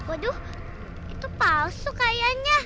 aduh itu palsu kayaknya